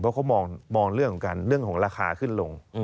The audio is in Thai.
เพราะเขามองเรื่องของการเรื่องของราคาขึ้นลง